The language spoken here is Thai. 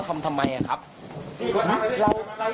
พบคู่กระลงแน่งไม่ได้ไหร่ฮะ